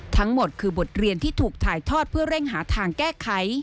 ทั้งหมดคือบทเรียนที่ถูกถ่ายทอดเพื่อเร่งหาทางแก้ไข